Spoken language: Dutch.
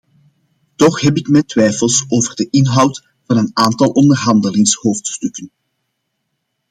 Toch heb ik mijn twijfels over de inhoud van een aantal onderhandelingshoofdstukken.